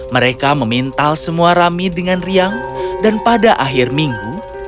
mereka memintal semua rami dengan riang dan pada akhir minggu